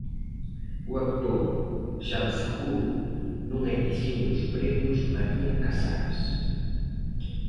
O actor Xan Cejudo nunha edición dos premios María Casares.